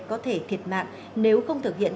có thể thiệt mạng nếu không thực hiện